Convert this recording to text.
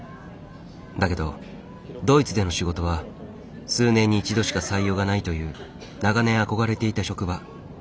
だけどドイツでの仕事は数年に一度しか採用がないという長年憧れていた職場。